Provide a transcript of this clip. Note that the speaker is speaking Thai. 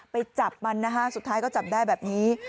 ไปจับมันนะคะสุดท้ายก็จับได้แบบนี้